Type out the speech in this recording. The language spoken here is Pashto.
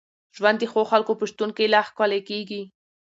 ژوند د ښو خلکو په شتون کي لا ښکلی کېږي.